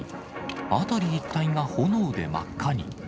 辺り一帯が炎で真っ赤に。